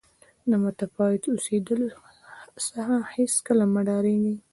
د متفاوت اوسېدلو څخه هېڅکله مه ډارېږئ.